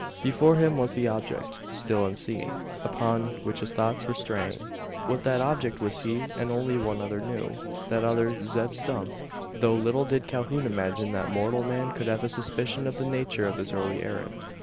Before him was the object still unseen upon which his thoughts were straying. What that object was he and only one other knew that other Zeb Stump though little did Calhoun imagine that mortal man could have a suspicion of the nature of his early errand.